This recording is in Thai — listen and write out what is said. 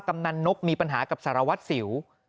กำนันนกมีปัญหากับสารวัตรสิว